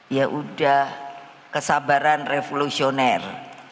ya udah kesabaran revolusioner